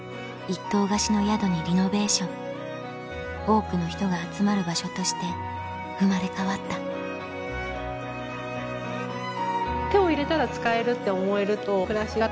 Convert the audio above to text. １棟貸しの宿にリノベーション多くの人が集まる場所として生まれ変わったって思えると。